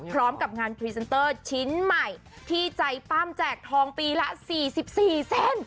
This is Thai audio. พร้อมกับงานพรีเซนเตอร์ชิ้นใหม่ที่ใจปั้มแจกทองปีละ๔๔เส้น